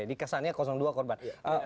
jadi kesannya dua korban